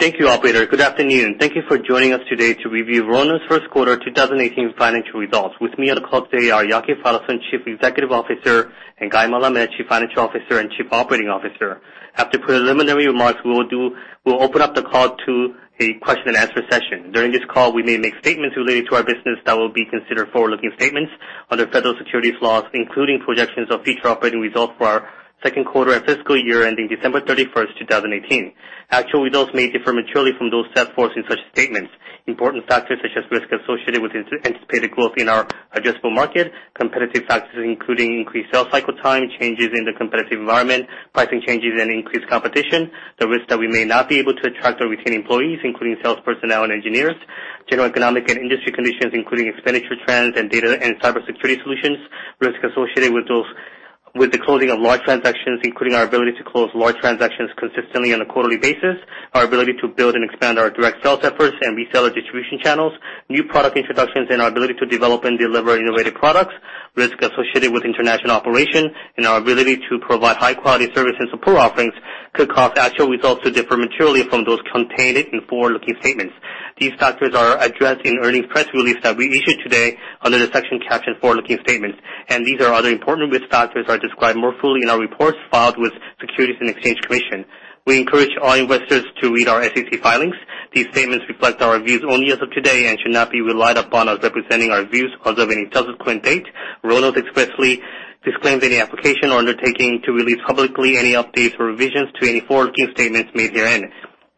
Thank you, Operator. Good afternoon. Thank you for joining us today to review Varonis' first quarter 2018 financial results. With me on the call today are Yaki Faitelson, Chief Executive Officer, and Guy Melamed, Chief Financial Officer and Chief Operating Officer. After preliminary remarks, we'll open up the call to a question-and-answer session. During this call, we may make statements related to our business that will be considered forward-looking statements under federal securities laws, including projections of future operating results for our second quarter and fiscal year ending December 31, 2018. Actual results may differ materially from those set forth in such statements. Important factors such as risk associated with anticipated growth in our addressable market, competitive factors including increased sales cycle time, changes in the competitive environment, pricing changes, and increased competition, the risk that we may not be able to attract or retain employees, including sales personnel and engineers, general economic and industry conditions including expenditure trends and data and cybersecurity solutions, risk associated with the closing of large transactions, including our ability to close large transactions consistently on a quarterly basis, our ability to build and expand our direct sales efforts and reseller distribution channels, new product introductions, and our ability to develop and deliver innovative products, risk associated with international operation, and our ability to provide high-quality service and support offerings could cause actual results to differ materially from those contained in forward-looking statements. These factors are addressed in the earnings press release that we issued today under the section captioned "Forward-looking Statements," and these are other important risk factors that are described more fully in our reports filed with the Securities and Exchange Commission. We encourage all investors to read our SEC filings. These statements reflect our views only as of today and should not be relied upon as representing our views as of any subsequent date. Varonis expressly disclaims any application or undertaking to release publicly any updates or revisions to any forward-looking statements made herein.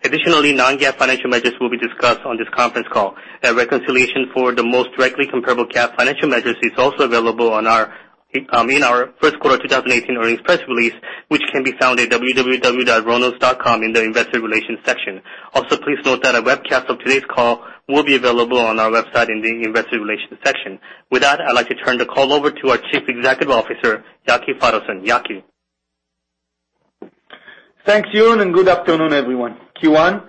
Additionally, non-GAAP financial measures will be discussed on this conference call. A reconciliation for the most directly comparable GAAP financial measures is also available in our first quarter 2018 earnings press release, which can be found at www.varonis.com in the investor relations section. Also, please note that a webcast of today's call will be available on our website in the investor relations section. With that, I'd like to turn the call over to our Chief Executive Officer, Yaki Faitelson. Yaki. Thanks, Jamie, and good afternoon, everyone. Q1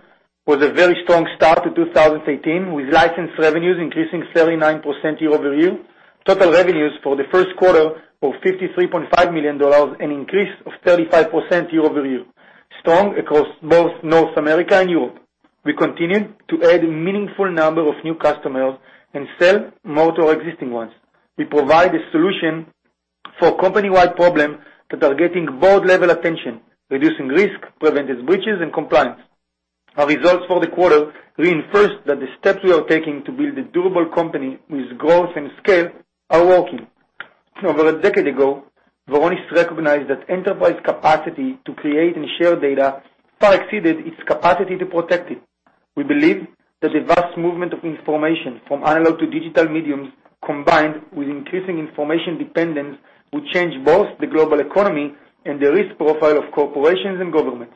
was a very strong start to 2018, with licensed revenues increasing 39% year over year. Total revenues for the first quarter were $53.5 million and increased 35% year over year, strong across both North America and Europe. We continued to add a meaningful number of new customers and sell more to our existing ones. We provide a solution for company-wide problems that are getting board-level attention, reducing risk, preventing breaches, and compliance. Our results for the quarter reinforce that the steps we are taking to build a durable company with growth and scale are working. Over a decade ago, Varonis recognized that enterprise capacity to create and share data far exceeded its capacity to protect it. We believe that the vast movement of information from analog to digital mediums, combined with increasing information dependence, will change both the global economy and the risk profile of corporations and governments.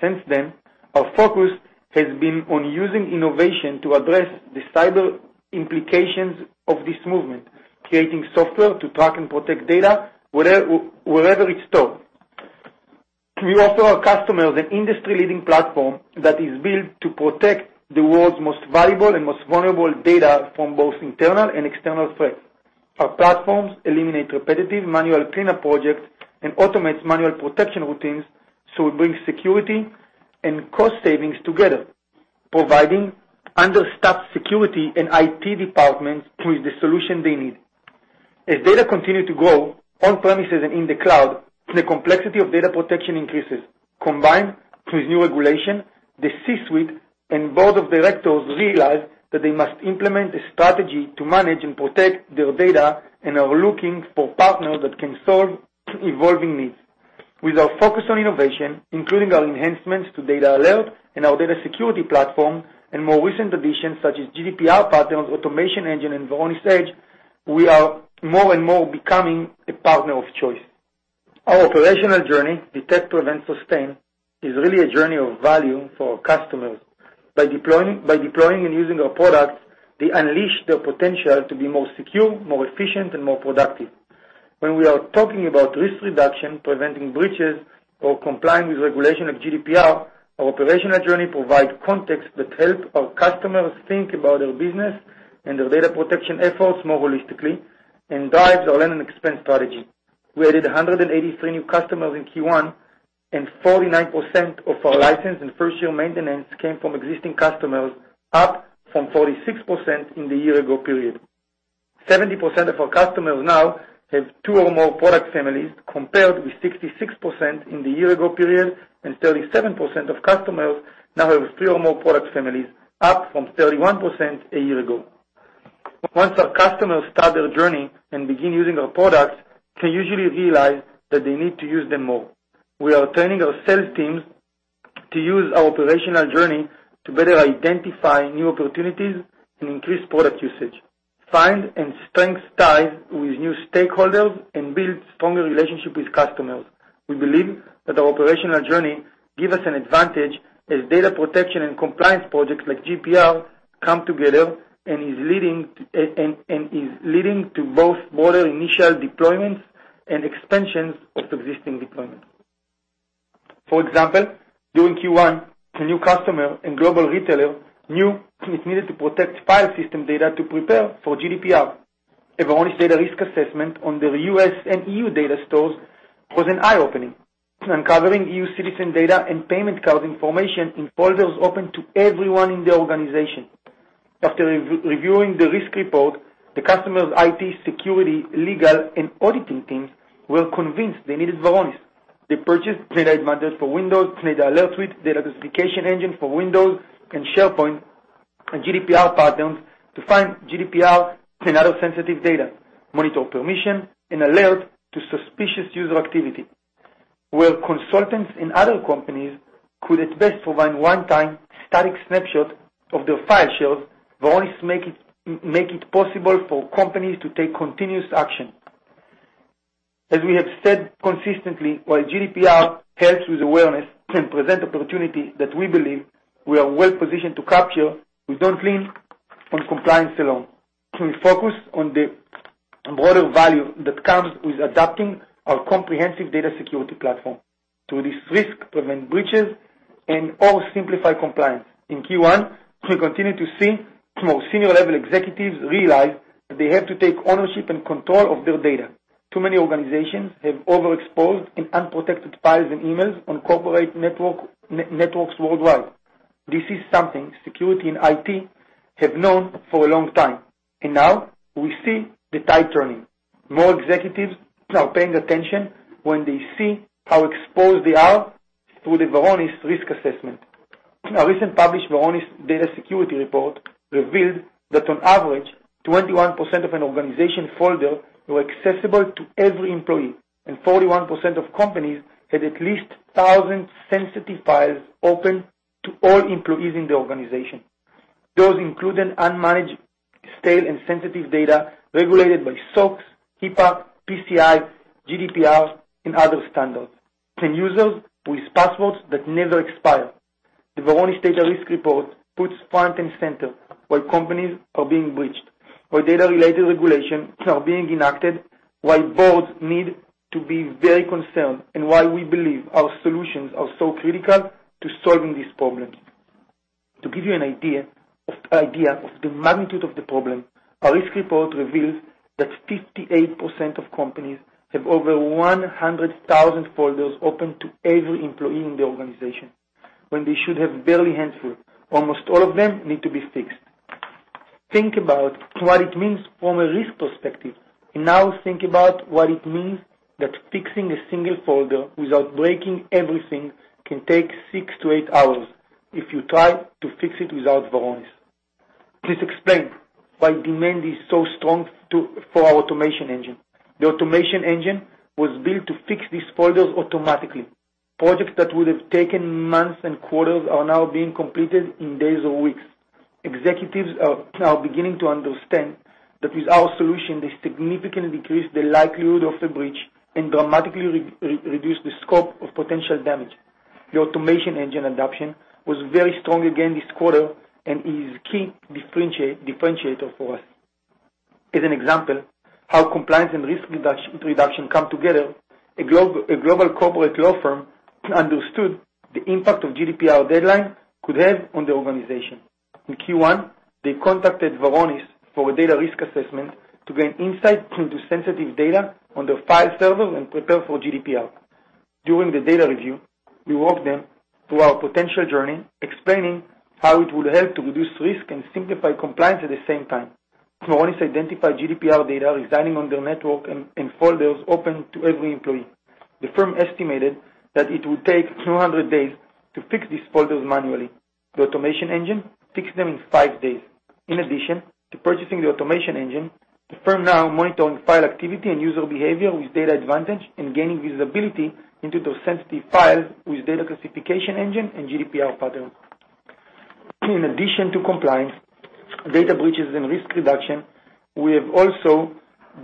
Since then, our focus has been on using innovation to address the cyber implications of this movement, creating software to track and protect data wherever it's stored. We offer our customers an industry-leading platform that is built to protect the world's most valuable and most vulnerable data from both internal and external threats. Our platforms eliminate repetitive manual cleanup projects and automate manual protection routines, so we bring security and cost savings together, providing understaffed security and IT departments with the solution they need. As data continues to grow on-premises and in the cloud, the complexity of data protection increases. Combined with new regulation, the C-suite and board of directors realize that they must implement a strategy to manage and protect their data and are looking for partners that can solve evolving needs. With our focus on innovation, including our enhancements to DatAlert and our Data Security Platform, and more recent additions such as GDPR Patterns, Automation Engine, and Varonis Edge, we are more and more becoming a partner of choice. Our operational journey, Detect, Prevent, Sustain, is really a journey of value for our customers. By deploying and using our products, they unleash their potential to be more secure, more efficient, and more productive. When we are talking about risk reduction, preventing breaches, or complying with regulation like GDPR, our operational journey provides context that helps our customers think about their business and their data protection efforts more holistically and drives our land and expense strategy. We added 183 new customers in Q1, and 49% of our license and first-year maintenance came from existing customers, up from 46% in the year-ago period. 70% of our customers now have two or more product families, compared with 66% in the year-ago period, and 37% of customers now have three or more product families, up from 31% a year ago. Once our customers start their journey and begin using our products, they usually realize that they need to use them more. We are training our sales teams to use our operational journey to better identify new opportunities and increase product usage, find and strengthen ties with new stakeholders, and build stronger relationships with customers. We believe that our operational journey gives us an advantage as data protection and compliance projects like GDPR come together and is leading to both broader initial deployments and expansions of existing deployments. For example, during Q1, a new customer and global retailer knew it needed to protect file system data to prepare for GDPR. A Varonis data risk assessment on their U.S. and EU data stores was an eye-opening, uncovering EU citizen data and payment card information in folders open to everyone in the organization. After reviewing the risk report, the customer's IT, security, legal, and auditing teams were convinced they needed Varonis. They purchased DatAdvantage for Windows, a DatAlert Suite, Data Classification Engine for Windows and SharePoint, and GDPR Patterns to find GDPR and other sensitive data, monitor permission, and alert to suspicious user activity. Where consultants and other companies could at best provide one-time static snapshots of their file shares, Varonis made it possible for companies to take continuous action. As we have said consistently, while GDPR helps with awareness and presents opportunities that we believe we are well-positioned to capture, we don't lean on compliance alone. We focus on the broader value that comes with adopting our comprehensive Data Security Platform to reduce risk, prevent breaches, and/or simplify compliance. In Q1, we continue to see more senior-level executives realize that they have to take ownership and control of their data. Too many organizations have overexposed and unprotected files and emails on corporate networks worldwide. This is something security and IT have known for a long time, and now we see the tide turning. More executives are paying attention when they see how exposed they are through the Varonis risk assessment. A recently published Varonis data security report revealed that, on average, 21% of an organization's folders were accessible to every employee, and 41% of companies had at least 1,000 sensitive files open to all employees in the organization. Those included unmanaged, stale, and sensitive data regulated by SOCs, HIPAA, PCI, GDPR, and other standards, and users with passwords that never expire. The Varonis data risk report puts front and center why companies are being breached, why data-related regulations are being enacted, why boards need to be very concerned, and why we believe our solutions are so critical to solving these problems. To give you an idea of the magnitude of the problem, our risk report reveals that 58% of companies have over 100,000 folders open to every employee in the organization, when they should have barely a handful. Almost all of them need to be fixed. Think about what it means from a risk perspective, and now think about what it means that fixing a single folder without breaking everything can take six to eight hours if you try to fix it without Varonis. This explains why demand is so strong for our Automation Engine. The Automation Engine was built to fix these folders automatically. Projects that would have taken months and quarters are now being completed in days or weeks. Executives are beginning to understand that with our solution, they significantly decrease the likelihood of a breach and dramatically reduce the scope of potential damage. The Automation Engine adoption was very strong again this quarter and is a key differentiator for us. As an example of how compliance and risk reduction come together, a global corporate law firm understood the impact of GDPR deadlines could have on the organization. In Q1, they contacted Varonis for a data risk assessment to gain insight into sensitive data on their file servers and prepare for GDPR. During the data review, we walked them through our potential journey, explaining how it would help to reduce risk and simplify compliance at the same time. Varonis identified GDPR data residing on their network and folders open to every employee. The firm estimated that it would take 200 days to fix these folders manually. The Automation Engine fixed them in five days. In addition to purchasing the Automation Engine, the firm is now monitoring file activity and user behavior with DatAdvantage and gaining visibility into those sensitive files with Data Classification Engine and GDPR Patterns. In addition to compliance, data breaches, and risk reduction, we have also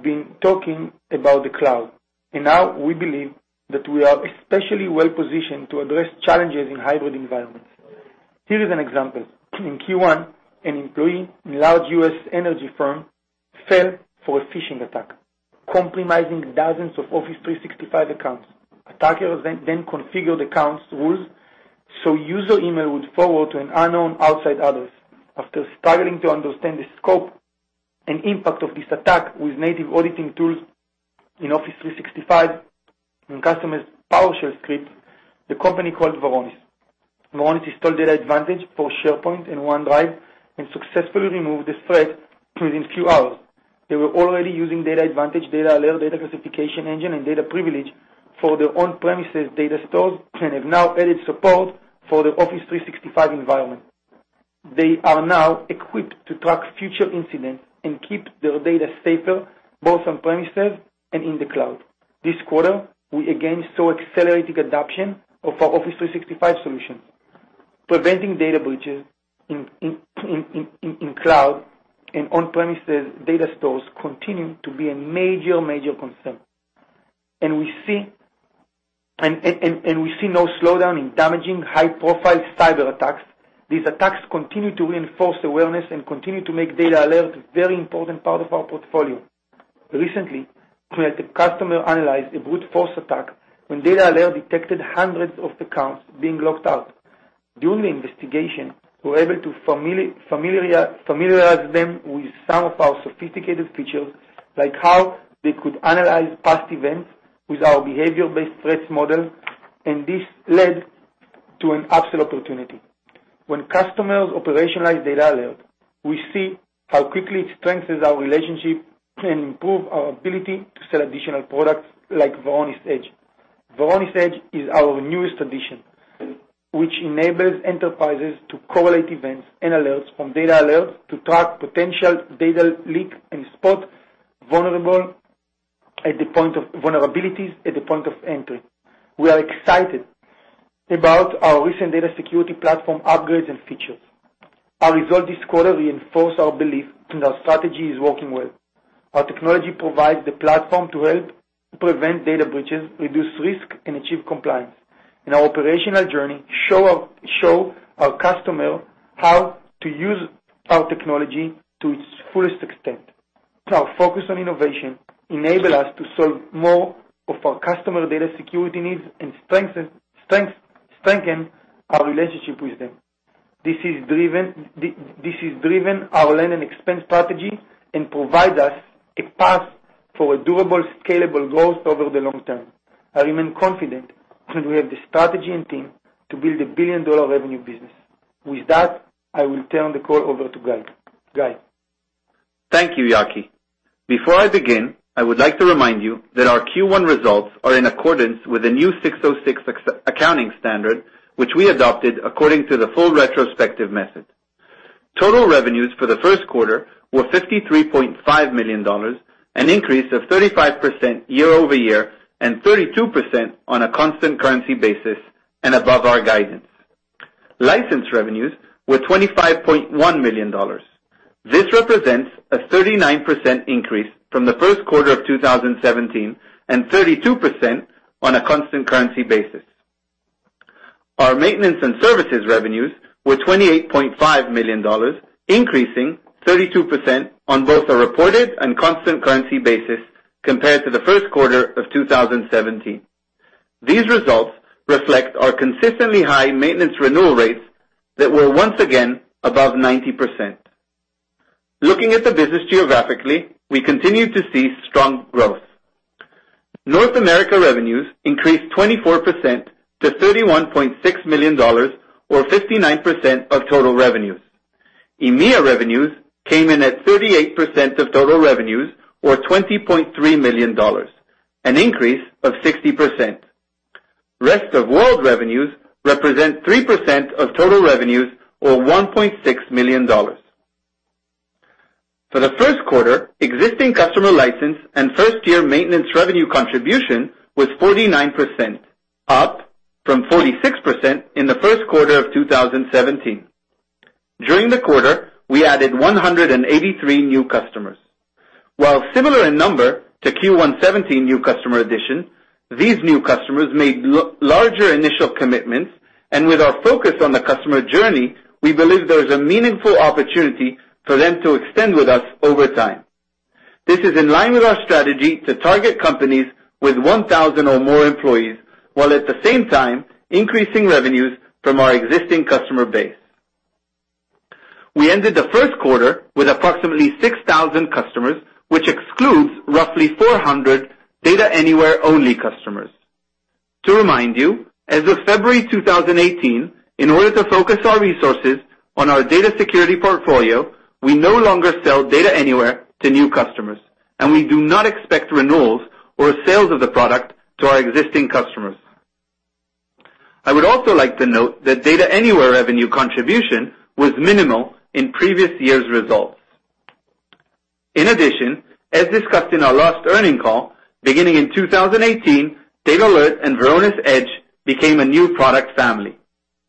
been talking about the cloud, and now we believe that we are especially well-positioned to address challenges in hybrid environments. Here is an example. In Q1, an employee in a large U.S. energy firm fell for a phishing attack, compromising dozens of Office 365 accounts. Attackers then configured account rules so user email would forward to an unknown outside address. After struggling to understand the scope and impact of this attack with native auditing tools in Office 365 and customers' PowerShell scripts, the company called Varonis. Varonis installed DatAdvantage for SharePoint and OneDrive and successfully removed the threat within a few hours. They were already using DatAdvantage, DatAlert, Data Classification Engine, and DataPrivilege for their on-premises data stores and have now added support for their Office 365 environment. They are now equipped to track future incidents and keep their data safer both on-premises and in the cloud. This quarter, we again saw accelerated adoption of our Office 365 solution. Preventing data breaches in cloud and on-premises data stores continues to be a major, major concern. We see no slowdown in damaging high-profile cyber attacks. These attacks continue to reinforce awareness and continue to make DatAlert a very important part of our portfolio. Recently, we had a customer analyze a brute force attack when DatAlert detected hundreds of accounts being locked out. During the investigation, we were able to familiarize them with some of our sophisticated features, like how they could analyze past events with our behavior-based threats model, and this led to an absolute opportunity. When customers operationalize DatAlert, we see how quickly it strengthens our relationship and improves our ability to sell additional products like Varonis Edge. Varonis Edge is our newest addition, which enables enterprises to correlate events and alerts from DatAlert to track potential data leaks and spot vulnerabilities at the point of entry. We are excited about our recent Data Security Platform upgrades and features. Our results this quarter reinforce our belief that our strategy is working well. Our technology provides the platform to help prevent data breaches, reduce risk, and achieve compliance. In our operational journey, we show our customers how to use our technology to its fullest extent. Our focus on innovation enables us to solve more of our customer data security needs and strengthen our relationship with them. This has driven our learn and expense strategy and provides us a path for a durable, scalable growth over the long term. I remain confident that we have the strategy and team to build a billion-dollar revenue business. With that, I will turn the call over to Guy. Thank you, Yaki. Before I begin, I would like to remind you that our Q1 results are in accordance with the new 606 accounting standard, which we adopted according to the full retrospective method. Total revenues for the first quarter were $53.5 million, an increase of 35% year-over-year and 32% on a constant currency basis and above our guidance. License revenues were $25.1 million. This represents a 39% increase from the first quarter of 2017 and 32% on a constant currency basis. Our maintenance and services revenues were $28.5 million, increasing 32% on both a reported and constant currency basis compared to the first quarter of 2017. These results reflect our consistently high maintenance renewal rates that were once again above 90%. Looking at the business geographically, we continue to see strong growth. North America revenues increased 24% to $31.6 million, or 59% of total revenues. EMEA revenues came in at 38% of total revenues, or $20.3 million, an increase of 60%. Rest of World revenues represent 3% of total revenues, or $1.6 million. For the first quarter, existing customer license and first-year maintenance revenue contribution was 49%, up from 46% in the first quarter of 2017. During the quarter, we added 183 new customers. While similar in number to Q1 2017 new customer addition, these new customers made larger initial commitments, and with our focus on the customer journey, we believe there is a meaningful opportunity for them to extend with us over time. This is in line with our strategy to target companies with 1,000 or more employees while at the same time increasing revenues from our existing customer base. We ended the first quarter with approximately 6,000 customers, which excludes roughly 400 DatAnywhere-only customers. To remind you, as of February 2018, in order to focus our resources on our data security portfolio, we no longer sell DatAnywhere to new customers, and we do not expect renewals or sales of the product to our existing customers. I would also like to note that DatAnywhere revenue contribution was minimal in previous year's results. In addition, as discussed in our last earnings call, beginning in 2018, DatAlert and Varonis Edge became a new product family.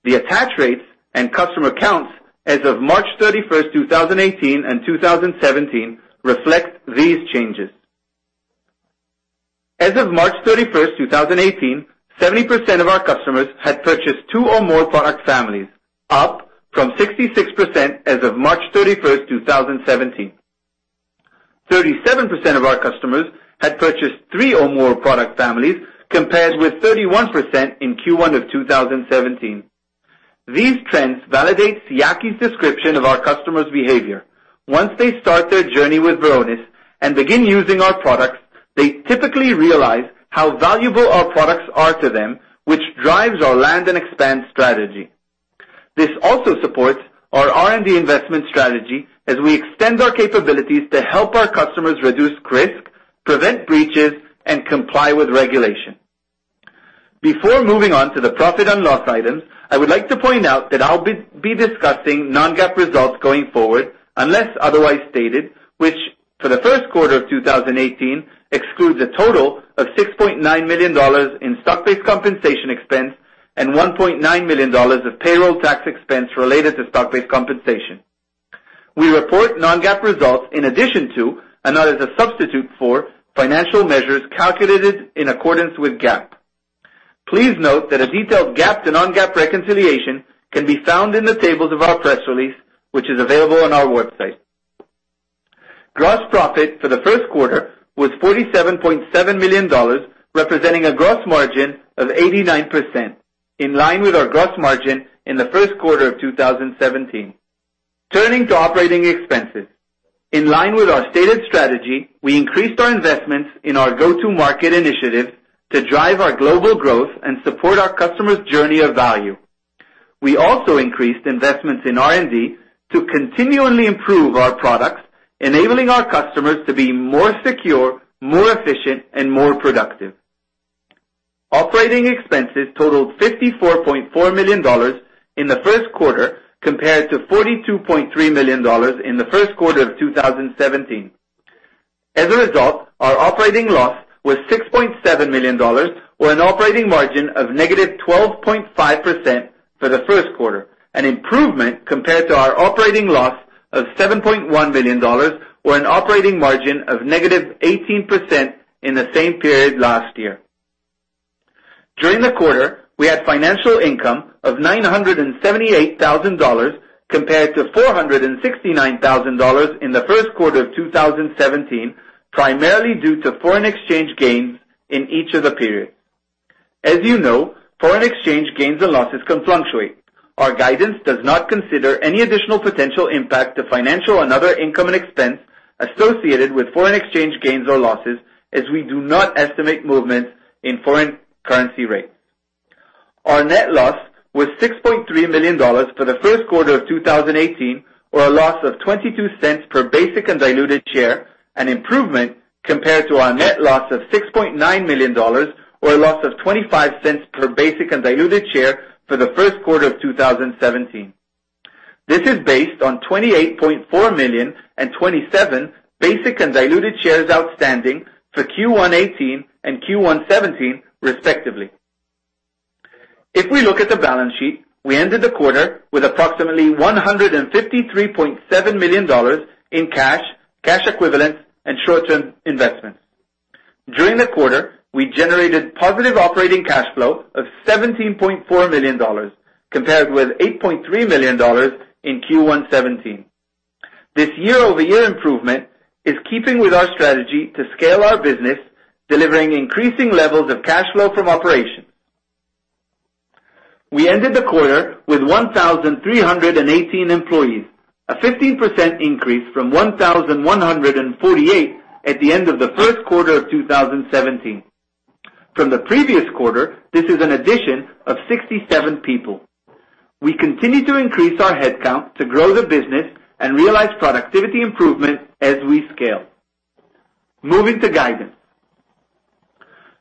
The attach rates and customer counts as of March 31, 2018 and 2017 reflect these changes. As of March 31, 2018, 70% of our customers had purchased two or more product families, up from 66% as of March 31, 2017. 37% of our customers had purchased three or more product families compared with 31% in Q1 of 2017. These trends validate Yaki's description of our customers' behavior. Once they start their journey with Varonis and begin using our products, they typically realize how valuable our products are to them, which drives our land and expand strategy. This also supports our R&D investment strategy as we extend our capabilities to help our customers reduce risk, prevent breaches, and comply with regulation. Before moving on to the profit and loss items, I would like to point out that I'll be discussing non-GAAP results going forward unless otherwise stated, which for the first quarter of 2018 excludes a total of $6.9 million in stock-based compensation expense and $1.9 million of payroll tax expense related to stock-based compensation. We report non-GAAP results in addition to, and not as a substitute for, financial measures calculated in accordance with GAAP. Please note that a detailed GAAP to non-GAAP reconciliation can be found in the tables of our press release, which is available on our website. Gross profit for the first quarter was $47.7 million, representing a gross margin of 89%, in line with our gross margin in the first quarter of 2017. Turning to operating expenses, in line with our stated strategy, we increased our investments in our go-to-market initiatives to drive our global growth and support our customers' journey of value. We also increased investments in R&D to continually improve our products, enabling our customers to be more secure, more efficient, and more productive. Operating expenses totaled $54.4 million in the first quarter compared to $42.3 million in the first quarter of 2017. As a result, our operating loss was $6.7 million, or an operating margin of negative 12.5% for the first quarter, an improvement compared to our operating loss of $7.1 million, or an operating margin of negative 18% in the same period last year. During the quarter, we had financial income of $978,000 compared to $469,000 in the first quarter of 2017, primarily due to foreign exchange gains in each of the periods. As you know, foreign exchange gains and losses can fluctuate. Our guidance does not consider any additional potential impact to financial and other income and expense associated with foreign exchange gains or losses, as we do not estimate movements in foreign currency rates. Our net loss was $6.3 million for the first quarter of 2018, or a loss of $0.22 per basic and diluted share, an improvement compared to our net loss of $6.9 million, or a loss of $0.25 per basic and diluted share for the first quarter of 2017. This is based on $28.4 million and 27,000,000 basic and diluted shares outstanding for Q1 2018 and Q1 2017, respectively. If we look at the balance sheet, we ended the quarter with approximately $153.7 million in cash, cash equivalents, and short-term investments. During the quarter, we generated positive operating cash flow of $17.4 million, compared with $8.3 million in Q1 2017. This year-over-year improvement is keeping with our strategy to scale our business, delivering increasing levels of cash flow from operations. We ended the quarter with 1,318 employees, a 15% increase from 1,148 at the end of the first quarter of 2017. From the previous quarter, this is an addition of 67 people. We continue to increase our headcount to grow the business and realize productivity improvement as we scale. Moving to guidance.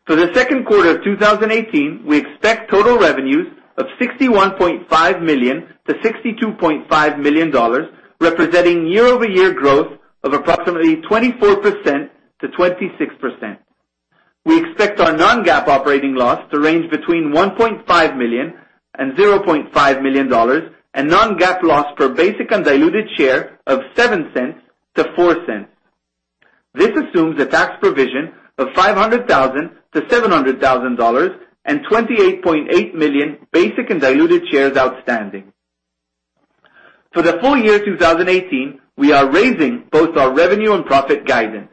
For the second quarter of 2018, we expect total revenues of $61.5 million-$62.5 million, representing year-over-year growth of approximately 24%-26%. We expect our non-GAAP operating loss to range between $1.5 million and $0.5 million and non-GAAP loss per basic and diluted share of $0.07-$0.04. This assumes a tax provision of $500,000-$700,000 and 28.8 million basic and diluted shares outstanding. For the full year 2018, we are raising both our revenue and profit guidance.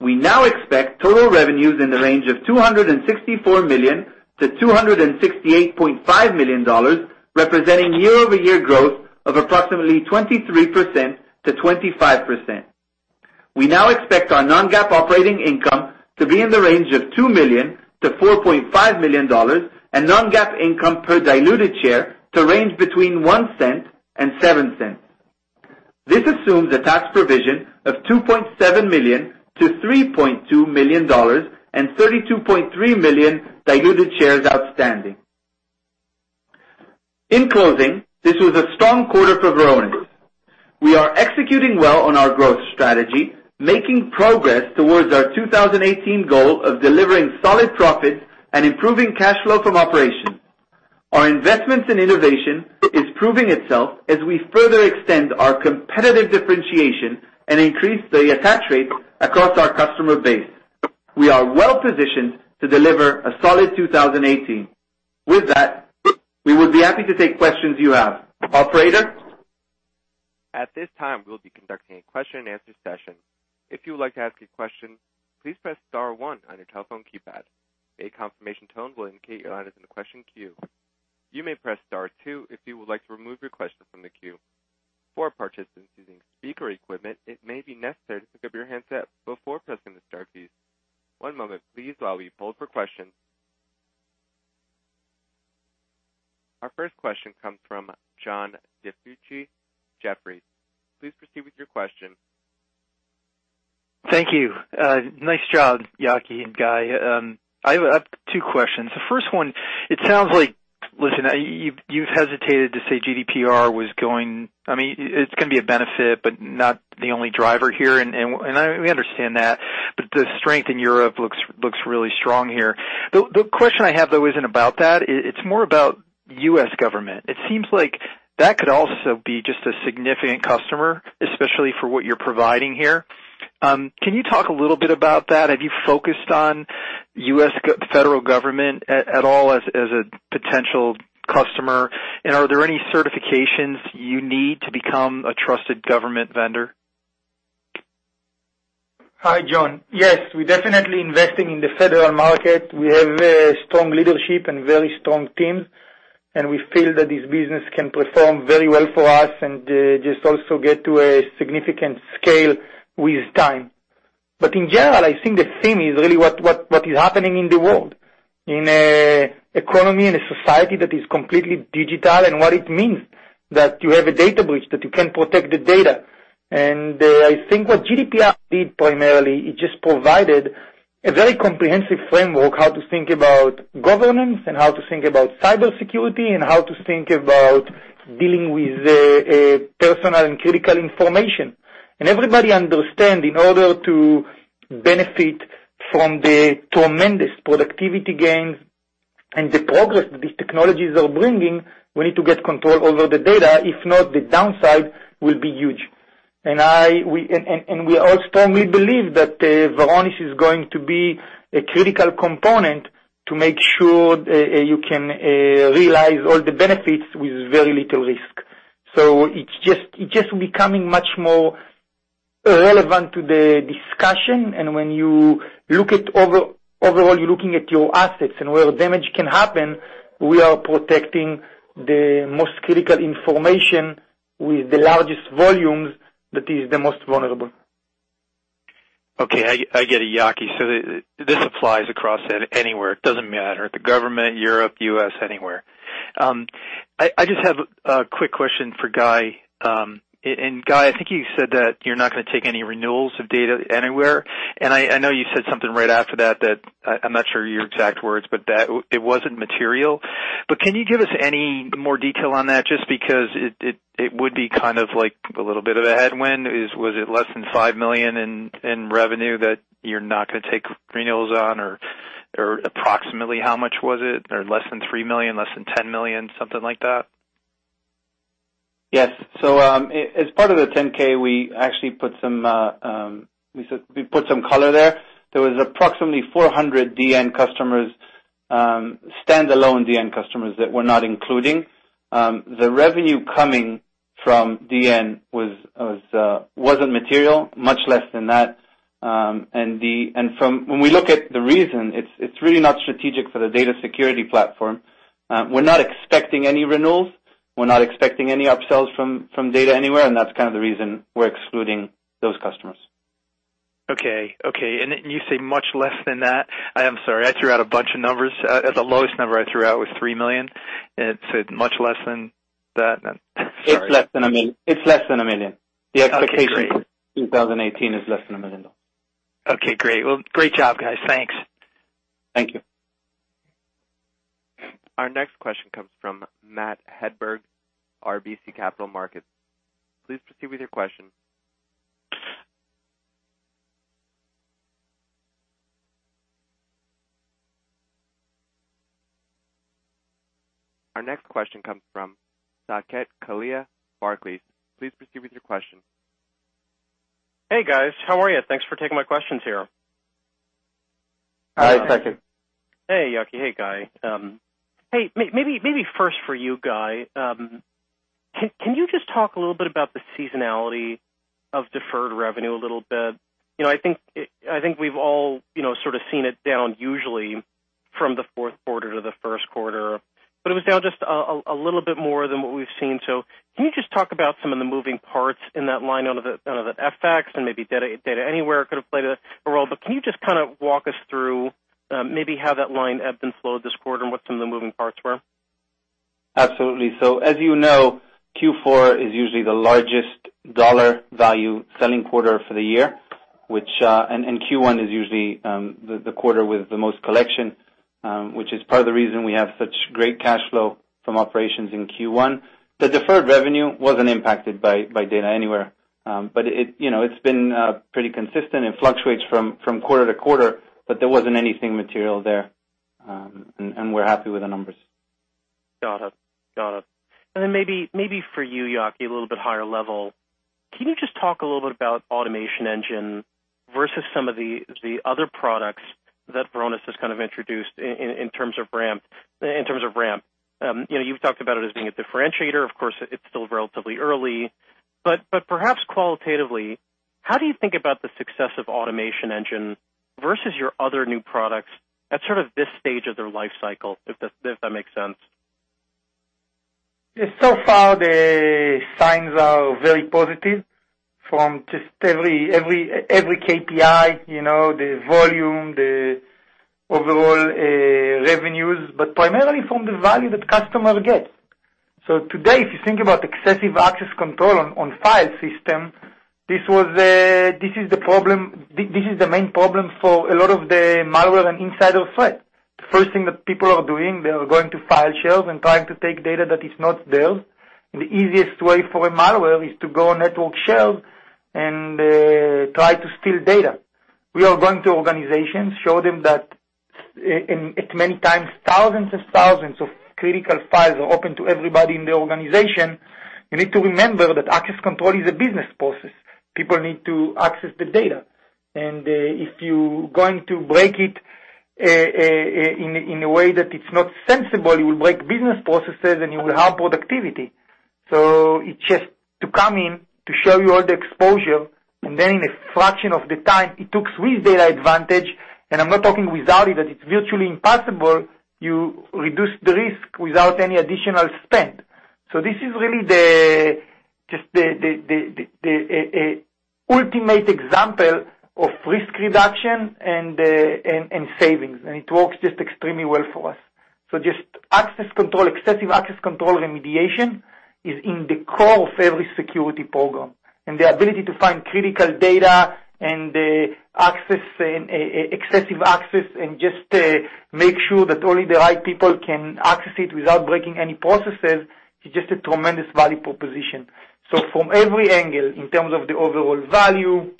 We now expect total revenues in the range of $264 million-$268.5 million, representing year-over-year growth of approximately 23%-25%. We now expect our non-GAAP operating income to be in the range of $2 million-$4.5 million and non-GAAP income per diluted share to range between $0.01 and $0.07. This assumes a tax provision of $2.7 million-$3.2 million and 32.3 million diluted shares outstanding. In closing, this was a strong quarter for Varonis. We are executing well on our growth strategy, making progress towards our 2018 goal of delivering solid profits and improving cash flow from operations. Our investments in innovation are proving themselves as we further extend our competitive differentiation and increase the attach rates across our customer base. We are well-positioned to deliver a solid 2018. With that, we would be happy to take questions you have. Operator. At this time, we will be conducting a question-and-answer session. If you would like to ask a question, please press Star 1 on your telephone keypad. A confirmation tone will indicate your line is in the question queue. You may press Star 2 if you would like to remove your question from the queue. For participants using speaker equipment, it may be necessary to pick up your handset before pressing the star keys. One moment, please, while we poll for questions. Our first question comes from John DiFucci, Jefferies. Please proceed with your question. Thank you. Nice job, Yaki and Guy. I have two questions. The first one, it sounds like, listen, you've hesitated to say GDPR was going—I mean, it's going to be a benefit, but not the only driver here, and we understand that. The strength in Europe looks really strong here. The question I have, though, is not about that. It's more about U.S. government. It seems like that could also be just a significant customer, especially for what you're providing here. Can you talk a little bit about that? Have you focused on U.S. federal government at all as a potential customer? Are there any certifications you need to become a trusted government vendor? Hi, John. Yes, we're definitely investing in the federal market. We have strong leadership and very strong teams, and we feel that this business can perform very well for us and just also get to a significant scale with time. In general, I think the theme is really what is happening in the world, in an economy and a society that is completely digital and what it means that you have a data breach, that you cannot protect the data. I think what GDPR did primarily, it just provided a very comprehensive framework of how to think about governance and how to think about cybersecurity and how to think about dealing with personal and critical information. Everybody understands in order to benefit from the tremendous productivity gains and the progress that these technologies are bringing, we need to get control over the data. If not, the downside will be huge. We all strongly believe that Varonis is going to be a critical component to make sure you can realize all the benefits with very little risk. It is just becoming much more relevant to the discussion. When you look at overall, you're looking at your assets and where damage can happen, we are protecting the most critical information with the largest volumes that is the most vulnerable. Okay. I get it, Yaki. This applies across anywhere. It doesn't matter. The government, Europe, U.S., anywhere. I just have a quick question for Guy. Guy, I think you said that you're not going to take any renewals of DatAnywhere. I know you said something right after that that I'm not sure your exact words, but that it wasn't material. Can you give us any more detail on that just because it would be kind of like a little bit of a headwind? Was it less than $5 million in revenue that you're not going to take renewals on, or approximately how much was it? Or less than $3 million, less than $10 million, something like that? Yes. As part of the 10-K, we actually put some—we put some color there. There was approximately 400 DN customers, standalone DN customers that we're not including. The revenue coming from DN was not material, much less than that. When we look at the reason, it's really not strategic for the data security platform. We're not expecting any renewals. We're not expecting any upsells from DatAnywhere, and that's kind of the reason we're excluding those customers. Okay. Okay. You say much less than that? I'm sorry. I threw out a bunch of numbers. The lowest number I threw out was $3 million. It said much less than that. Sorry. It's less than $1 million. It's less than $1 million. The expectation for 2018 is less than $1 million. Okay. Great. Great job, guys. Thanks. Thank you. Our next question comes from Matt Hedberg, RBC Capital Markets. Please proceed with your question. Our next question comes from Saket Kalia, Barclays. Please proceed with your question. Hey, guys. How are you? Thanks for taking my questions here. Hi, Saket. Hey, Yaki. Hey, Guy. Hey. Maybe first for you, Guy, can you just talk a little bit about the seasonality of deferred revenue a little bit? I think we've all sort of seen it down usually from the fourth quarter to the first quarter. It was down just a little bit more than what we've seen. Can you just talk about some of the moving parts in that line out of the FX and maybe DatAnywhere could have played a role? Can you just kind of walk us through maybe how that line ebbed and flowed this quarter and what some of the moving parts were? Absolutely. As you know, Q4 is usually the largest dollar value selling quarter for the year, and Q1 is usually the quarter with the most collection, which is part of the reason we have such great cash flow from operations in Q1. The deferred revenue was not impacted by DatAnywhere, but it has been pretty consistent and fluctuates from quarter to quarter, but there was not anything material there, and we are happy with the numbers. Got it. Got it. Maybe for you, Yaki, a little bit higher level, can you just talk a little bit about Automation Engine versus some of the other products that Varonis has kind of introduced in terms of ramp? You have talked about it as being a differentiator. Of course, it's still relatively early. Perhaps qualitatively, how do you think about the success of Automation Engine versus your other new products at sort of this stage of their life cycle, if that makes sense? So far, the signs are very positive from just every KPI, the volume, the overall revenues, but primarily from the value that customers get. Today, if you think about excessive access control on file systems, this is the problem, this is the main problem for a lot of the malware and insider threats. The first thing that people are doing, they are going to file shares and trying to take data that is not theirs. The easiest way for a malware is to go on network shares and try to steal data. We are going to organizations, show them that many times thousands and thousands of critical files are open to everybody in the organization. You need to remember that access control is a business process. People need to access the data. If you're going to break it in a way that it's not sensible, you will break business processes and you will harm productivity. It is just to come in, to show you all the exposure, and then in a fraction of the time, it took with DatAdvantage. I'm not talking without it, that it's virtually impossible. You reduce the risk without any additional spend. This is really just the ultimate example of risk reduction and savings. It works just extremely well for us. Access control, excessive access control remediation is in the core of every security program. The ability to find critical data and excessive access and just make sure that only the right people can access it without breaking any processes is just a tremendous value proposition. From every angle, in terms of the overall value,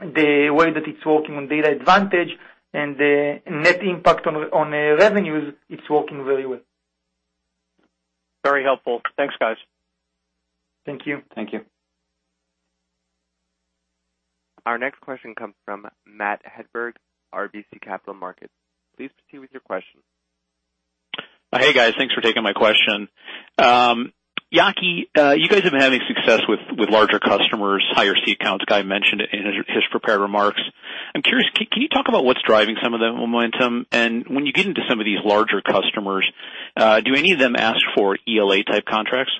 the way that it's working on DatAdvantage, and the net impact on revenues, it's working very well. Very helpful. Thanks, guys. Thank you. Thank you. Our next question comes from Matt Hedberg, RBC Capital Markets. Please proceed with your question. Hey, guys. Thanks for taking my question. Yaki, you guys have been having success with larger customers, higher seat counts. Guy mentioned it in his prepared remarks. I'm curious, can you talk about what's driving some of the momentum? When you get into some of these larger customers, do any of them ask for ELA-type contracts?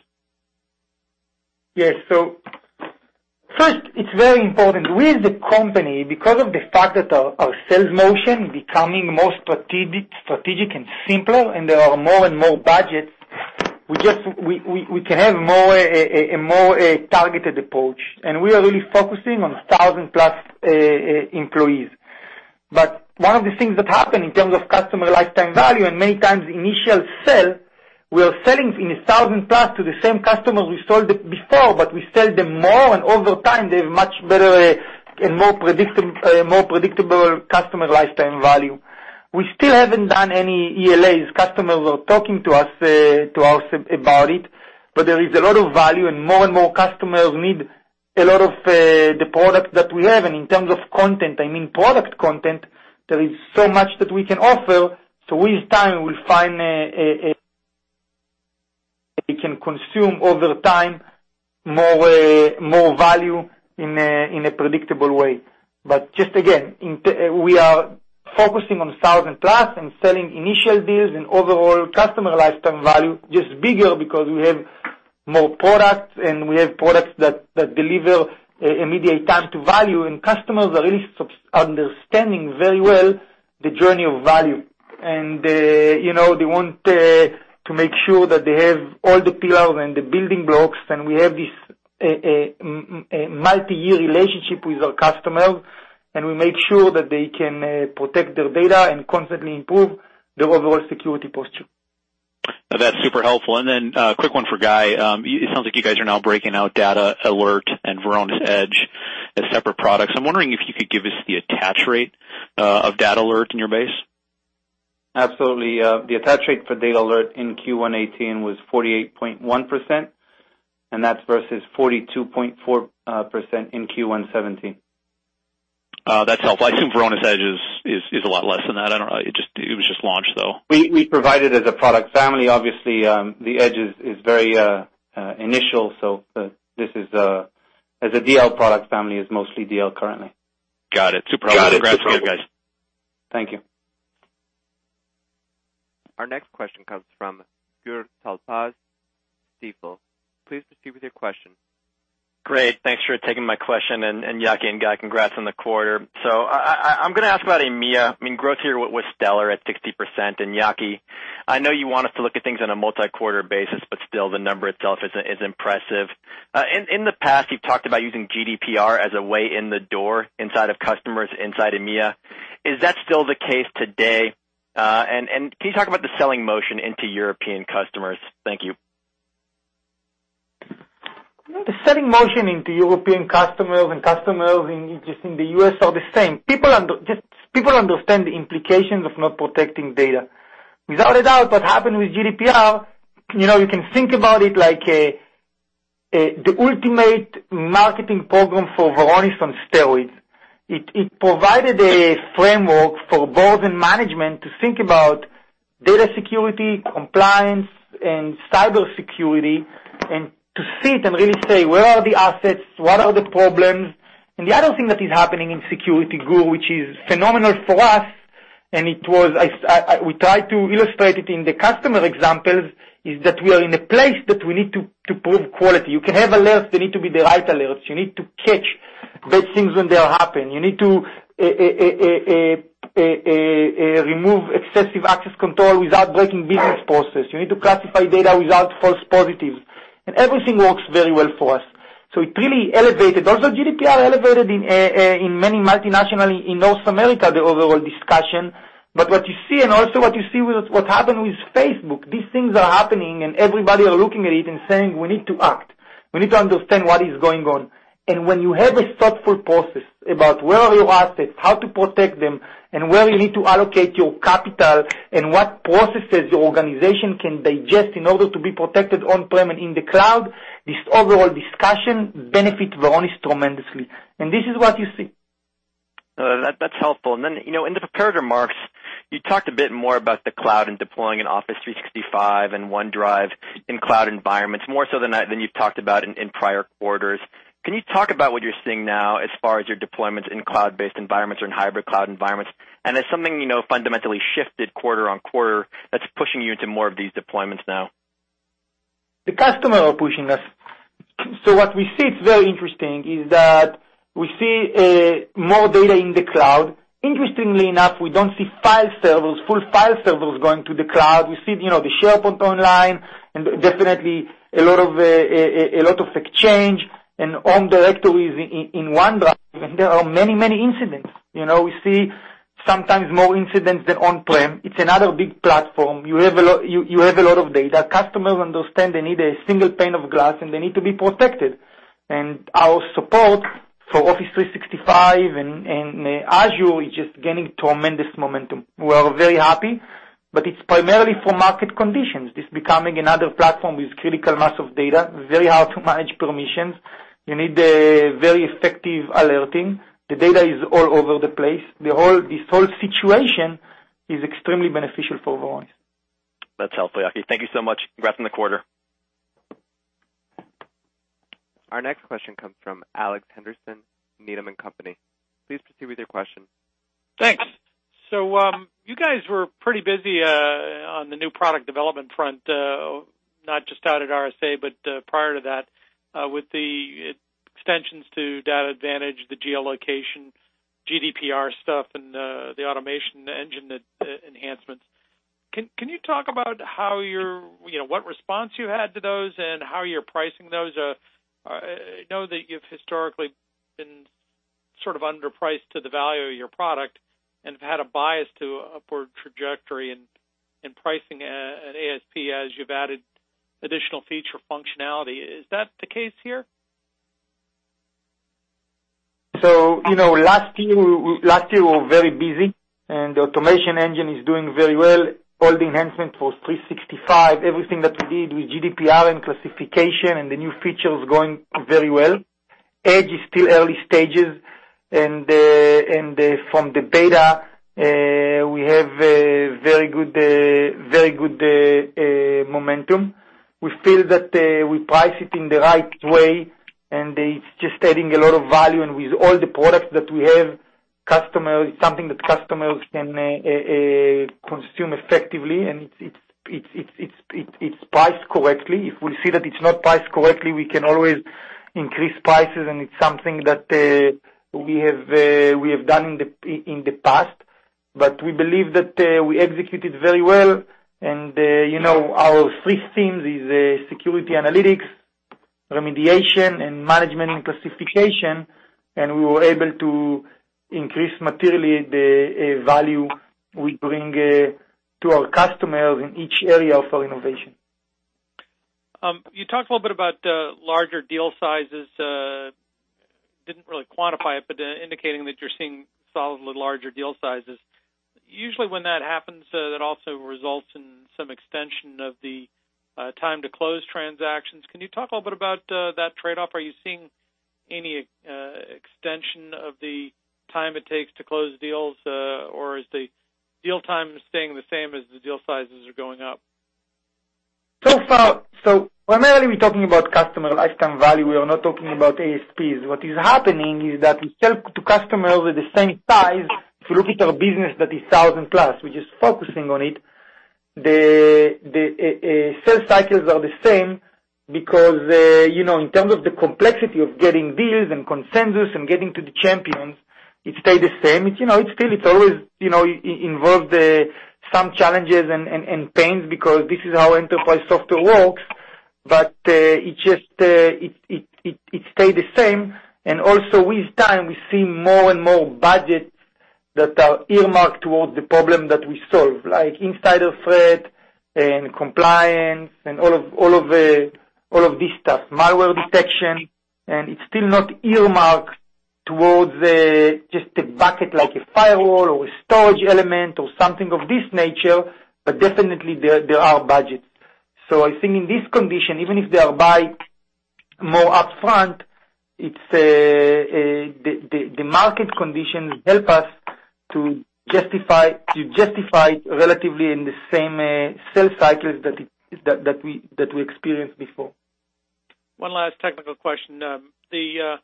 Yes. First, it's very important. We as a company, because of the fact that our sales motion is becoming more strategic and simpler, and there are more and more budgets, we can have a more targeted approach. We are really focusing on 1,000-plus employees. One of the things that happened in terms of customer lifetime value and many times initial sale, we are selling in 1,000-plus to the same customers we sold before, but we sell them more, and over time, they have much better and more predictable customer lifetime value. We still have not done any ELAs. Customers are talking to us about it, there is a lot of value, and more and more customers need a lot of the products that we have. In terms of content, I mean product content, there is so much that we can offer. With time, we'll find we can consume over time more value in a predictable way. Just again, we are focusing on 1,000-plus and selling initial deals and overall customer lifetime value, just bigger because we have more products, and we have products that deliver immediate time to value. Customers are really understanding very well the journey of value. They want to make sure that they have all the pillars and the building blocks, and we have this multi-year relationship with our customers, and we make sure that they can protect their data and constantly improve their overall security posture. That's super helpful. A quick one for Guy. It sounds like you guys are now breaking out DatAlert and Varonis Edge as separate products. I'm wondering if you could give us the attach rate of DatAlert in your base? Absolutely. The attach rate for DatAlert in Q1 2018 was 48.1%, and that's versus 42.4% in Q1 2017. That's helpful. I assume Varonis Edge is a lot less than that. It was just launched, though. We provide it as a product family. Obviously, the Edge is very initial, so this is as a DatAlert product family, it's mostly DatAlert currently. Got it. Super helpful. Congrats to you, guys. Thank you. Our next question comes from Gur Talpaz, Stifel. Please proceed with your question. Great. Thanks for taking my question. Yaki and Guy, congrats on the quarter. I am going to ask about EMEA. I mean, growth here was stellar at 60%. Yaki, I know you want us to look at things on a multi-quarter basis, but still, the number itself is impressive. In the past, you've talked about using GDPR as a way in the door inside of customers, inside EMEA. Is that still the case today? Can you talk about the selling motion into European customers? Thank you. The selling motion into European customers and customers just in the U.S. are the same. People understand the implications of not protecting data. Without a doubt, what happened with GDPR, you can think about it like the ultimate marketing program for Varonis on steroids. It provided a framework for boards and management to think about data security, compliance, and cybersecurity, and to see it and really say, "Where are the assets? What are the problems? The other thing that is happening in Security Gur, which is phenomenal for us, and we tried to illustrate it in the customer examples, is that we are in a place that we need to prove quality. You can have alerts. They need to be the right alerts. You need to catch bad things when they happen. You need to remove excessive access control without breaking business process. You need to classify data without false positives. Everything works very well for us. It really elevated. Also, GDPR elevated in many multinationals in North America, the overall discussion. What you see, and also what you see with what happened with Facebook, these things are happening, and everybody is looking at it and saying, "We need to act. We need to understand what is going on. When you have a thoughtful process about where are your assets, how to protect them, and where you need to allocate your capital, and what processes your organization can digest in order to be protected on-prem and in the cloud, this overall discussion benefits Varonis tremendously. This is what you see. That's helpful. In the prepared remarks, you talked a bit more about the cloud and deploying in Office 365 and OneDrive in cloud environments, more so than you've talked about in prior quarters. Can you talk about what you're seeing now as far as your deployments in cloud-based environments or in hybrid cloud environments? Is something fundamentally shifted quarter on quarter that's pushing you into more of these deployments now? The customers are pushing us. What we see, it's very interesting, is that we see more data in the cloud. Interestingly enough, we don't see full file servers going to the cloud. We see SharePoint online, and definitely a lot of Exchange and Active Directory in OneDrive. There are many, many incidents. We see sometimes more incidents than on-prem. It's another big platform. You have a lot of data. Customers understand they need a single pane of glass, and they need to be protected. Our support for Office 365 and Azure is just gaining tremendous momentum. We are very happy, but it's primarily for market conditions. This is becoming another platform with critical mass of data, very hard to manage permissions. You need very effective alerting. The data is all over the place. This whole situation is extremely beneficial for Varonis. That's helpful, Yaki. Thank you so much. Congrats on the quarter. Our next question comes from Alex Henderson, Needham & Company. Please proceed with your question. Thanks. You guys were pretty busy on the new product development front, not just out at RSA, but prior to that, with the extensions to DatAdvantage, the geolocation, GDPR stuff, and the Automation Engine enhancements. Can you talk about what response you had to those and how you're pricing those? I know that you've historically been sort of underpriced to the value of your product and have had a bias to upward trajectory in pricing at ASP as you've added additional feature functionality. Is that the case here? Last year, we were very busy, and the Automation Engine is doing very well. All the enhancements for 365, everything that we did with GDPR and classification and the new features is going very well. Edge is still early stages. From the beta, we have very good momentum. We feel that we price it in the right way, and it is just adding a lot of value. With all the products that we have, it is something that customers can consume effectively, and it is priced correctly. If we see that it is not priced correctly, we can always increase prices, and it is something that we have done in the past. We believe that we executed very well. Our three themes are security analytics, remediation, and management and classification, and we were able to increase materially the value we bring to our customers in each area of our innovation. You talked a little bit about larger deal sizes. Did not really quantify it, but indicating that you are seeing solidly larger deal sizes. Usually, when that happens, that also results in some extension of the time to close transactions. Can you talk a little bit about that trade-off? Are you seeing any extension of the time it takes to close deals, or is the deal time staying the same as the deal sizes are going up? Primarily, we're talking about customer lifetime value. We are not talking about ASPs. What is happening is that we sell to customers with the same size. If you look at our business that is 1,000-plus, we're just focusing on it. The sales cycles are the same because in terms of the complexity of getting deals and consensus and getting to the champions, it stayed the same. It still always involves some challenges and pains because this is how enterprise software works, but it stayed the same. Also, with time, we see more and more budgets that are earmarked towards the problem that we solve, like insider threat and compliance and all of this stuff, malware detection. It is still not earmarked towards just a bucket like a firewall or a storage element or something of this nature, but definitely, there are budgets. I think in this condition, even if they are by more upfront, the market conditions help us to justify it relatively in the same sales cycles that we experienced before. One last technical question. The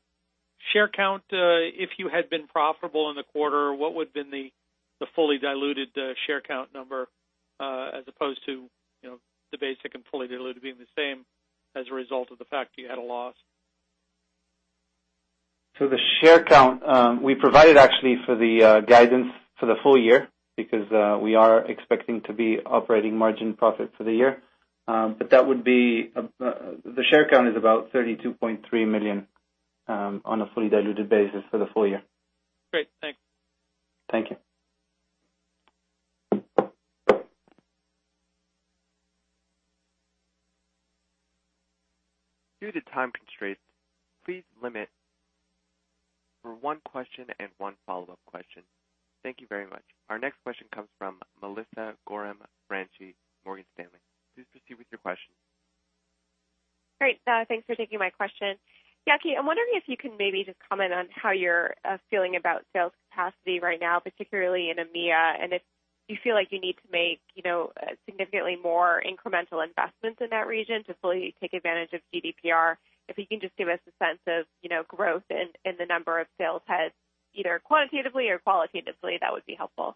share count, if you had been profitable in the quarter, what would have been the fully diluted share count number as opposed to the basic and fully diluted being the same as a result of the fact you had a loss? The share count, we provided actually for the guidance for the full year because we are expecting to be operating margin profit for the year. That would be the share count is about 32.3 million on a fully diluted basis for the full year. Great. Thanks. Thank you. Due to time constraints, please limit for one question and one follow-up question. Thank you very much. Our next question comes from Melissa Gorham, Morgan Stanley. Please proceed with your question. Great. Thanks for taking my question. Yaki, I'm wondering if you can maybe just comment on how you're feeling about sales capacity right now, particularly in EMEA, and if you feel like you need to make significantly more incremental investments in that region to fully take advantage of GDPR. If you can just give us a sense of growth in the number of sales heads, either quantitatively or qualitatively, that would be helpful.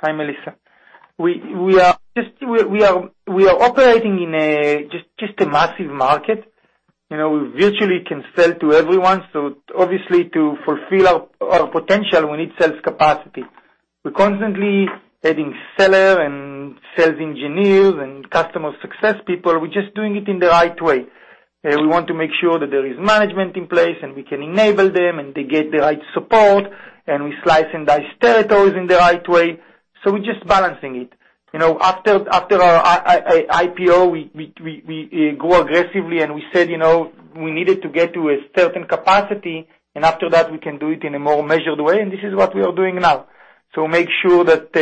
Hi, Melissa. We are operating in just a massive market. We virtually can sell to everyone. Obviously, to fulfill our potential, we need sales capacity. We're constantly adding seller and sales engineers and customer success people. We're just doing it in the right way. We want to make sure that there is management in place and we can enable them and they get the right support, and we slice and dice territories in the right way. We're just balancing it. After our IPO, we grew aggressively, and we said we needed to get to a certain capacity, and after that, we can do it in a more measured way, and this is what we are doing now. Make sure that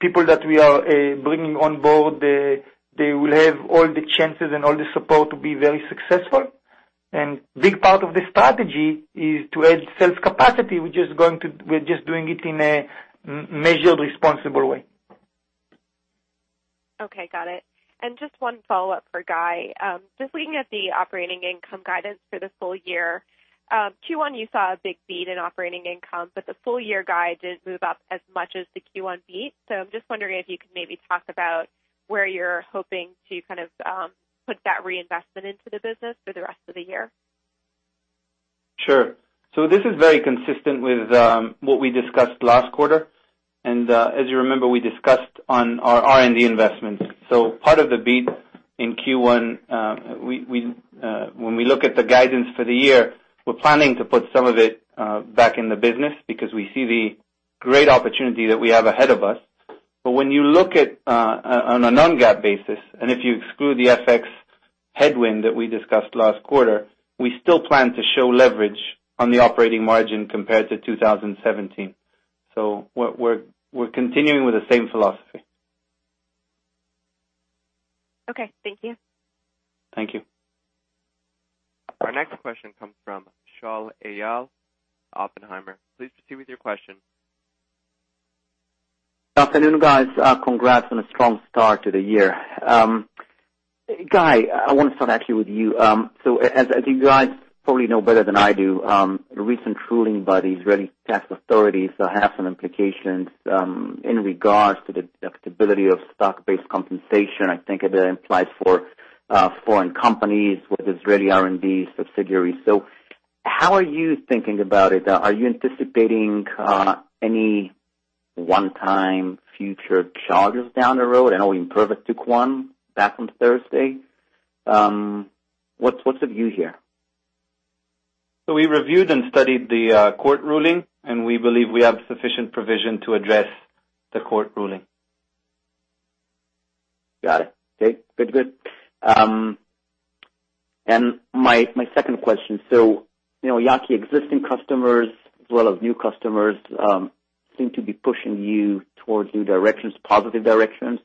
people that we are bringing on board, they will have all the chances and all the support to be very successful. A big part of the strategy is to add sales capacity. We're just doing it in a measured, responsible way. Okay. Got it. Just one follow-up for Guy. Just looking at the operating income guidance for the full year, Q1, you saw a big beat in operating income, but the full-year guide did not move up as much as the Q1 beat. I'm just wondering if you could maybe talk about where you're hoping to kind of put that reinvestment into the business for the rest of the year. Sure. This is very consistent with what we discussed last quarter. As you remember, we discussed on our R&D investments. Part of the beat in Q1, when we look at the guidance for the year, we're planning to put some of it back in the business because we see the great opportunity that we have ahead of us. When you look at on a non-GAAP basis, and if you exclude the FX headwind that we discussed last quarter, we still plan to show leverage on the operating margin compared to 2017. We're continuing with the same philosophy. Thank you. Thank you. Our next question comes from Shaul Eyal, Oppenheimer. Please proceed with your question. Good afternoon, guys. Congrats on a strong start to the year. Guy, I want to start actually with you. As you guys probably know better than I do, recent ruling by the Israeli tax authorities has some implications in regards to the deductibility of stock-based compensation. I think it implies for foreign companies with Israeli R&D subsidiaries. How are you thinking about it? Are you anticipating any one-time future charges down the road? I know we improved it to Quan back on Thursday. What's the view here? We reviewed and studied the court ruling, and we believe we have sufficient provision to address the court ruling. Got it. Okay. Good, good. My second question. Yaki, existing customers as well as new customers seem to be pushing you towards new directions, positive directions.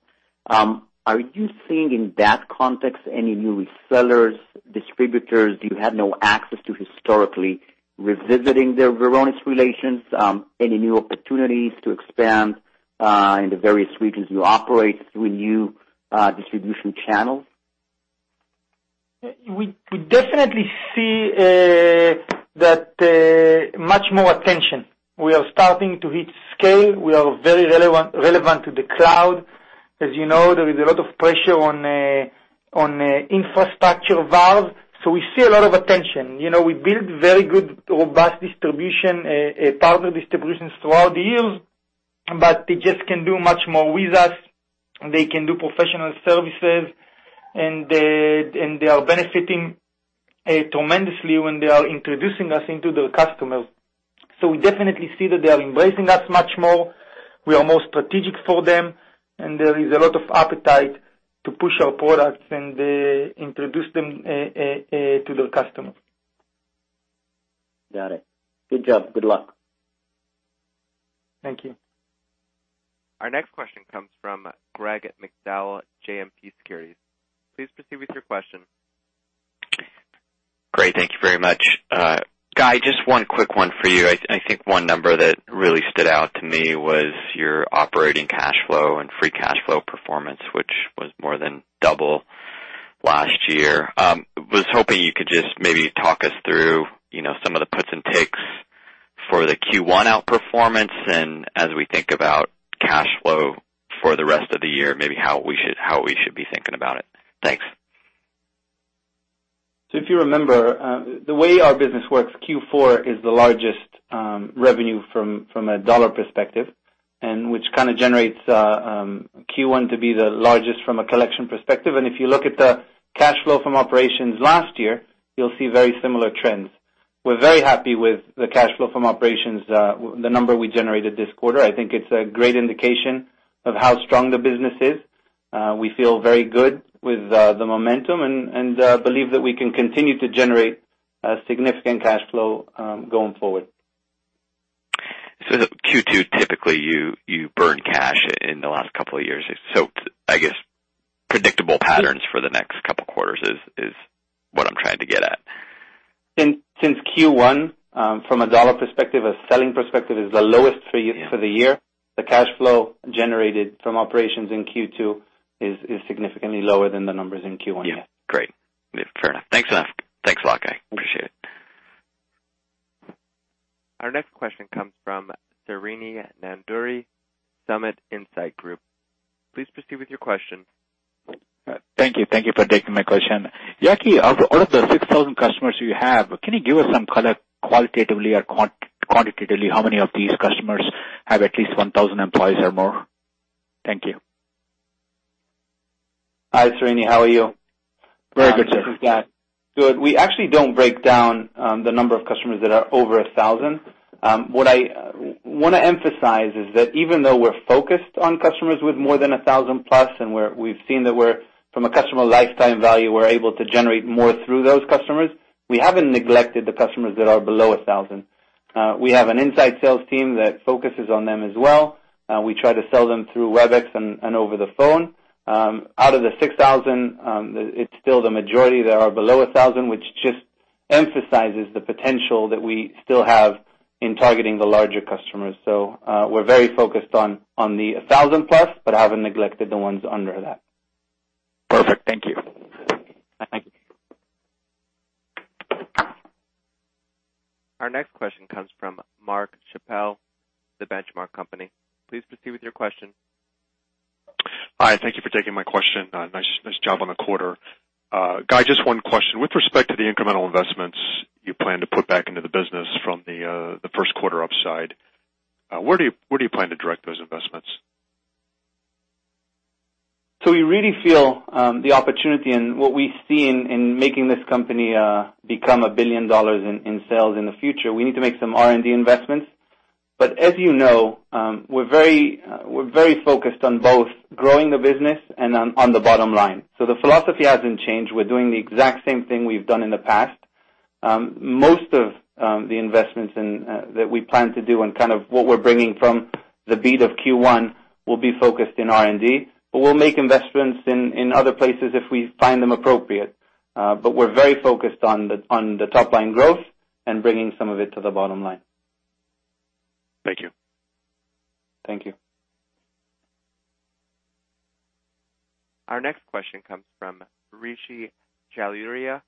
Are you seeing in that context any new resellers, distributors you had no access to historically, revisiting their Varonis relations? Any new opportunities to expand in the various regions you operate through new distribution channels? We definitely see that much more attention. We are starting to hit scale. We are very relevant to the cloud. As you know, there is a lot of pressure on infrastructure valve. We see a lot of attention. We built very good, robust distribution, partner distributions throughout the years, but they just can do much more with us. They can do professional services, and they are benefiting tremendously when they are introducing us into their customers. We definitely see that they are embracing us much more. We are more strategic for them, and there is a lot of appetite to push our products and introduce them to their customers. Got it. Good job. Good luck. Thank you. Our next question comes from Greg McDowell, JMP Securities. Please proceed with your question. Great. Thank you very much. Guy, just one quick one for you. I think one number that really stood out to me was your operating cash flow and free cash flow performance, which was more than double last year. I was hoping you could just maybe talk us through some of the puts and takes for the Q1 outperformance and as we think about cash flow for the rest of the year, maybe how we should be thinking about it. Thanks. If you remember, the way our business works, Q4 is the largest revenue from a dollar perspective, which kind of generates Q1 to be the largest from a collection perspective. If you look at the cash flow from operations last year, you'll see very similar trends. We're very happy with the cash flow from operations, the number we generated this quarter. I think it's a great indication of how strong the business is. We feel very good with the momentum and believe that we can continue to generate significant cash flow going forward. Q2, typically, you burn cash in the last couple of years. I guess predictable patterns for the next couple of quarters is what I'm trying to get at. Since Q1, from a dollar perspective, a selling perspective is the lowest for the year, the cash flow generated from operations in Q2 is significantly lower than the numbers in Q1. Yeah. Great. Fair enough. Thanks a lot, Guy. Appreciate it. Our next question comes from Srini Nandury, Summit Insights Group. Please proceed with your question. Thank you. Thank you for taking my question. Yaki, of all of the 6,000 customers you have, can you give us some qualitatively or quantitatively how many of these customers have at least 1,000 employees or more? Thank you. Hi, Srini. How are you? Very good, sir. This is Guy. Good. We actually do not break down the number of customers that are over 1,000. What I want to emphasize is that even though we are focused on customers with more than 1,000-plus and we have seen that from a customer lifetime value, we are able to generate more through those customers, we have not neglected the customers that are below 1,000. We have an inside sales team that focuses on them as well. We try to sell them through WebEx and over the phone. Out of the 6,000, it is still the majority that are below 1,000, which just emphasizes the potential that we still have in targeting the larger customers. We are very focused on the 1,000-plus but have not neglected the ones under that. Perfect. Thank you. Thank you. Our next question comes from Mark Schappel, The Benchmark Company. Please proceed with your question. Hi. Thank you for taking my question. Nice job on the quarter. Guy, just one question. With respect to the incremental investments you plan to put back into the business from the first quarter upside, where do you plan to direct those investments? We really feel the opportunity and what we see in making this company become a billion dollars in sales in the future, we need to make some R&D investments. As you know, we're very focused on both growing the business and on the bottom line. The philosophy hasn't changed. We're doing the exact same thing we've done in the past. Most of the investments that we plan to do and kind of what we're bringing from the beat of Q1 will be focused in R&D, but we'll make investments in other places if we find them appropriate. But we're very focused on the top-line growth and bringing some of it to the bottom line. Thank you. Thank you. Our next question comes from Rishi Jaluria,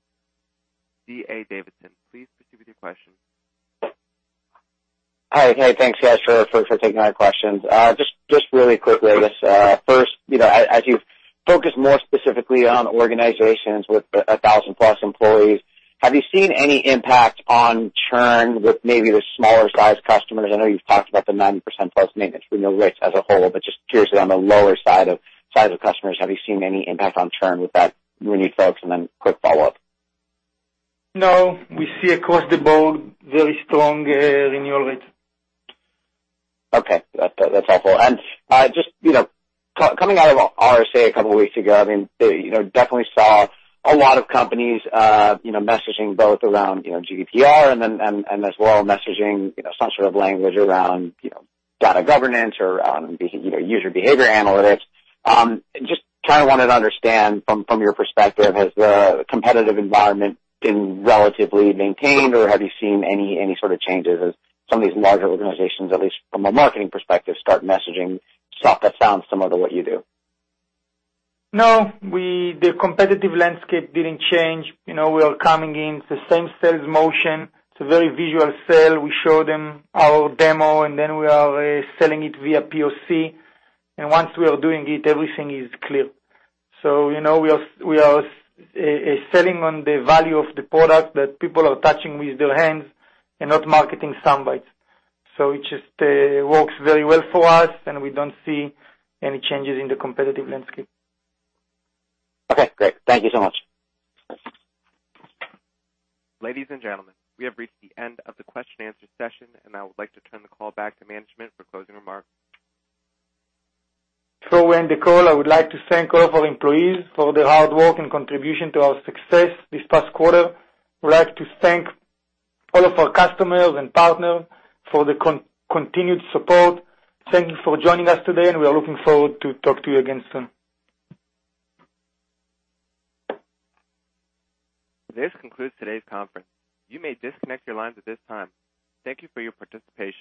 D.A. Davidson. Please proceed with your question. Hi. Hey, thanks, guys, for taking our questions. Just really quickly, I guess, first, as you focus more specifically on organizations with 1,000-plus employees, have you seen any impact on churn with maybe the smaller-sized customers? I know you've talked about the 90%+ maintenance renewal rates as a whole, but just curiously on the lower side of customers, have you seen any impact on churn with that many folks? And then quick follow-up. No. We see across the board very strong renewal rates. Okay. That's helpful. Just coming out of RSA a couple of weeks ago, I mean, definitely saw a lot of companies messaging both around GDPR and as well messaging some sort of language around data governance or user behavior analytics. Just kind of wanted to understand from your perspective, has the competitive environment been relatively maintained, or have you seen any sort of changes as some of these larger organizations, at least from a marketing perspective, start messaging stuff that sounds similar to what you do? No. The competitive landscape didn't change. We are coming in the same sales motion. It's a very visual sale. We show them our demo, and then we are selling it via POC. Once we are doing it, everything is clear. We are selling on the value of the product that people are touching with their hands and not marketing soundbites. It just works very well for us, and we do not see any changes in the competitive landscape. Okay. Great. Thank you so much. Ladies and gentlemen, we have reached the end of the question-and-answer session, and I would like to turn the call back to management for closing remarks. Before we end the call, I would like to thank all of our employees for their hard work and contribution to our success this past quarter. I would like to thank all of our customers and partners for the continued support. Thank you for joining us today, and we are looking forward to talking to you again soon. This concludes today's conference. You may disconnect your lines at this time. Thank you for your participation.